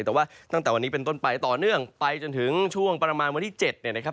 แต่ว่าตั้งแต่วันนี้เป็นต้นไปต่อเนื่องไปจนถึงช่วงประมาณวันที่๗เนี่ยนะครับ